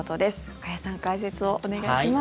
加谷さん解説をお願いします。